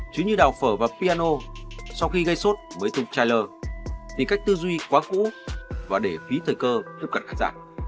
chứ như đào phở và piano sau khi gây sốt với tùng tyler tình cách tư duy quá cũ và để phí thời cơ tiếp cận khán giả